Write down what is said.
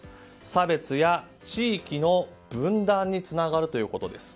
差別や地域の分断につながるということです。